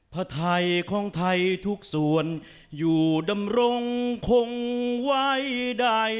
พระไทยของไทยทุกส่วนอยู่ดำรงคงไว้ใด